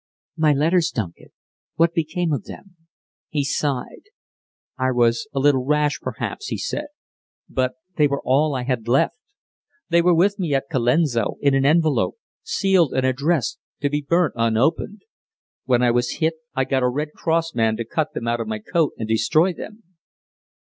"My letters, Duncan! What became of them?" He sighed. "I was a little rash, perhaps," he said, "but they were all I had left. They were with me at Colenso, in an envelope, sealed and addressed, to be burnt unopened. When I was hit, I got a Red Cross man to cut them out of my coat and destroy them."